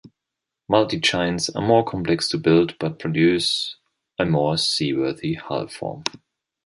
Multi chines are more complex to build but produce a more seaworthy hull form.